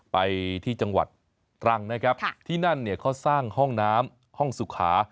ไปที่จังหวัดตรังนะครับที่นั่นเนี่ยเขาสร้างห้องน้ำห้องสุขา